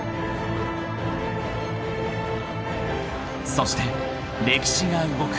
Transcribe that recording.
［そして歴史が動く］